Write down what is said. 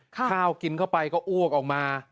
ข้าวกินเข้าไปก็อ้วกออกมา